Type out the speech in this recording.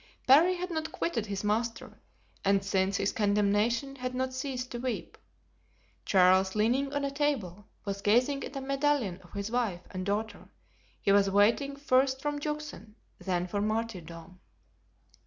Parry had not quitted his master, and since his condemnation had not ceased to weep. Charles, leaning on a table, was gazing at a medallion of his wife and daughter; he was waiting first for Juxon, then for martyrdom.